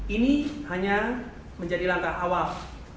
ini hanya menjadi langkah awal